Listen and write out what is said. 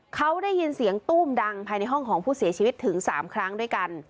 เขาได้ยินเสียงตู้มดังภายในห้องของผู้เสียชีวิตถึง๓ครั้งด้วยกัน